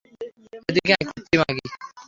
এদিকে আয়, কুত্তি মাগি।